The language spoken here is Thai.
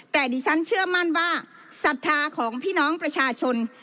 แต่ดิฉันเชื่อมั่นว่าศรัทธาของพี่น้องประชาชน